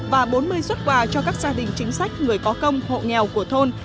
và bốn mươi xuất quà cho các gia đình chính sách người có công hộ nghèo của thôn